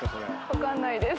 「分かんないです」